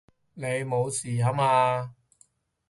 你無事吓嘛！